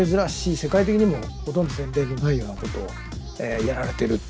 世界的にもほとんど前例のないようなことをやられてるっていう。